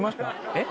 えっ？